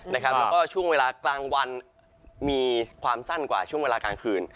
แล้วก็ช่วงเวลากลางวันมีความสั้นกว่าช่วงเวลากลางคืน